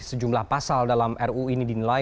sejumlah pasal dalam ruu ini dinilai